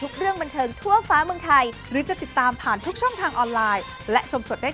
คุณผู้ชมค่ะ